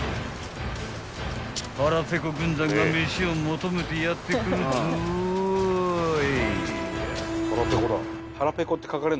［腹ペコ軍団が飯を求めてやって来るぞい］